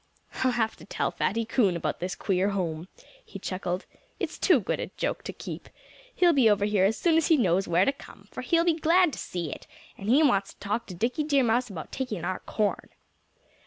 "I'll have to tell Fatty Coon about this queer house," he chuckled. "It's too good a joke to keep. He'll be over here as soon as he knows where to come, for he'll be glad to see it; and he wants to talk to Dickie Deer Mouse about taking our corn."